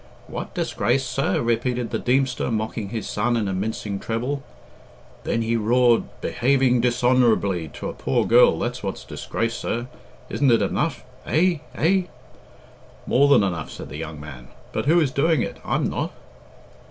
"What disgrace, sir?" repeated the Deemster, mocking his son in a mincing treble. Then he roared, "Behaving dishonourably to a poor girl that what's disgrace, sir! Isn't it enough? eh? eh?" "More than enough," said the young man. "But who is doing it? I'm not."